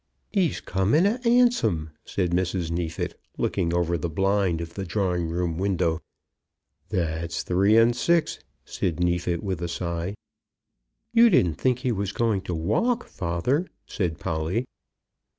"He's cum in a 'Ansom," said Mrs. Neefit, looking over the blind of the drawing room window. "That's three and six," said Neefit, with a sigh. "You didn't think he was going to walk, father?" said Polly.